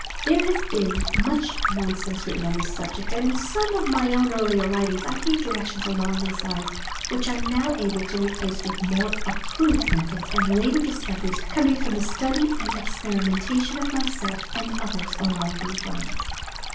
There has been The Fascination of the Eye 225 much nonsense written on this subject, and in some of my own earlier writings I gave directions along these lines which I am now able to replace with more approved methods, and later discoveries coming from the study and experimentation of myself and others along these lines.